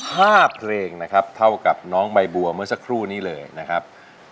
ห้าเพลงนะครับเท่ากับน้องใบบัวเมื่อสักครู่นี้เลยนะครับ